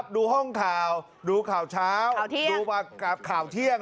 ดูห้องข่าวดูข่าวเช้าดูมากับข่าวเที่ยง